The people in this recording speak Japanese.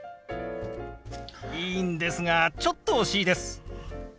いいんですがちょっと惜しいです。